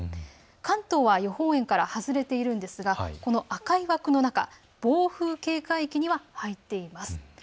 関東は予報円から外れているんですがこの赤い枠の中、暴風警戒域には入っています。